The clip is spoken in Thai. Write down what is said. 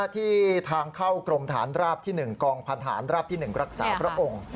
ที่ทางเข้ากรมฐานราบที่๑กองพันธานราบที่๑รักษาพระองค์